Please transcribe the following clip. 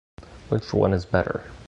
Which one is better?